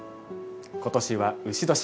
ことしは「丑」年。